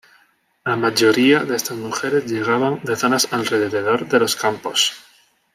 La mayoría de estas mujeres llegaban de zonas alrededor de los campos.